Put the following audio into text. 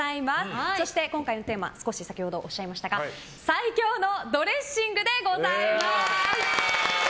そして、今回のテーマ少し先ほどおっしゃいましたが最強のドレッシングでございます。